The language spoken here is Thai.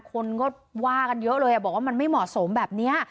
คนก็ว่ากันเยอะเลยบอกว่ามันไม่เหมาะสมแบบนี้